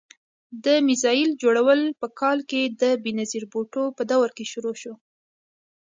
د میزایل جوړول په کال کې د بېنظیر بوټو په دور کې شروع شو.